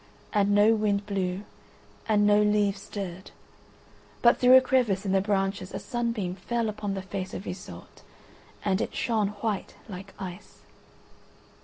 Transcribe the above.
And no wind blew, and no leaves stirred, but through a crevice in the branches a sunbeam fell upon the face of Iseult and it shone white like ice.